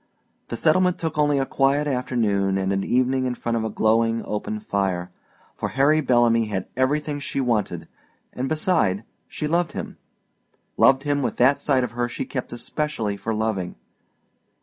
The settlement took only a quiet afternoon and an evening in front of a glowing open fire, for Harry Bellamy had everything she wanted; and, beside, she loved him loved him with that side of her she kept especially for loving.